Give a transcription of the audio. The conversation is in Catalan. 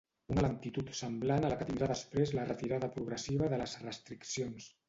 Una lentitud semblant a la que tindrà després la retirada progressiva de les restriccions.